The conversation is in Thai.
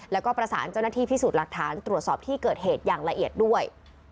แล้วก็ประสานเจ้าหน้าที่พิสูจน์หลักฐานตรวจสอบที่เกิดเหตุอย่างละเอียดด้วย